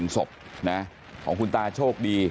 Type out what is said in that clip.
๑ศพนะฮะของคุณตาโชคดี